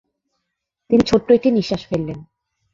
তিনি ছোট্ট একটি নিঃশ্বাস ফেললেন।